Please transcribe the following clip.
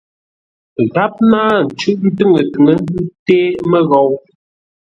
Gháp náa ncʉ́ʼ ntʉŋə-tʉŋə́ nté məghou.